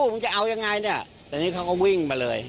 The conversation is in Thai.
มึงจะเอายังไงเนี่ยแต่นี่เขาก็วิ่งมาเลย